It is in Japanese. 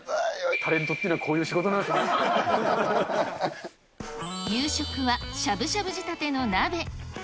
タレントっていうのはこうい夕食は、しゃぶしゃぶ仕立ての鍋。